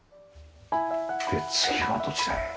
で次はどちらへ？